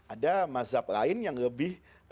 ada mazhab lain yang lebih